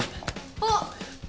あっ！